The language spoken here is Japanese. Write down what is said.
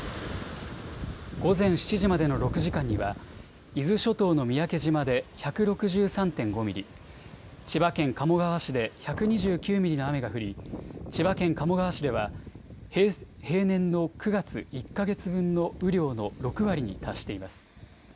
午前７時までの６時間には伊豆諸島の三宅島で１６３．５ミリ、千葉県鴨川市で１２９ミリの雨が降り、千葉県鴨川市では平年の９月１か月分の雨量の６割に達しています。